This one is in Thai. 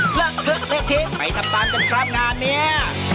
เหลือเหลือเทไปตามไปตามกันครับงานเนี่ย